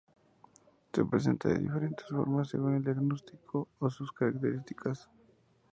Se presenta de diferentes formas según el diagnóstico o sus características.